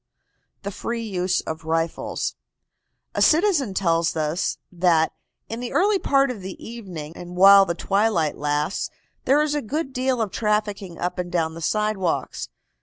THE FREE USE OF RIFLES. A citizen tells us that "in the early part of the evening, and while the twilight lasts, there is a good deal of trafficking up and down the sidewalks.